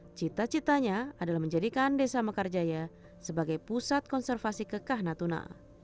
ketika ini kemungkinan kekah yang diperoleh adalah menjadikan desa mekarjaya sebagai pusat konservasi kekah natuna